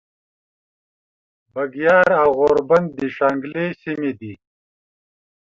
بګیاړ او غوربند د شانګلې سیمې دي